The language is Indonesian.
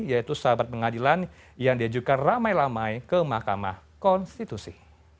yaitu sahabat pengadilan yang diajukan ramai ramai ke mahkamah konstitusi